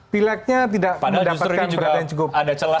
pilegnya tidak mendapatkan berat yang cukup